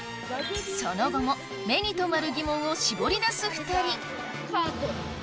その後も目に留まるギモンを絞り出す２人カート。